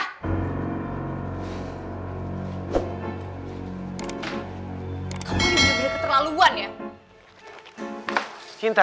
kamu ini udah keterlaluan ya